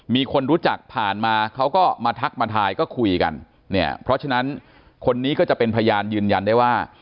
มีคนรู้จักผ่านมาเขาก็มาทักมาทายก็คุยกันเนี่ยเพราะฉะนั้นคนนี้ก็จะเป็นพยานยืนยันได้ว่า